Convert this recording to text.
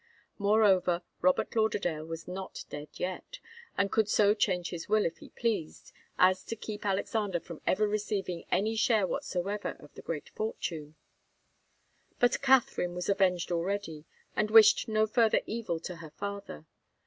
Moreover, Robert Lauderdale was not dead yet, and could so change his will, if he pleased, as to keep Alexander from ever receiving any share whatsoever of the great fortune. But Katharine was avenged already, and wished no further evil to her father.